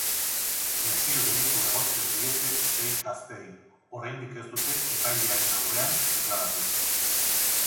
Lesio delitua egozten diete sei gazteei, oraindik ez dute epailearen aurrean deklaratu.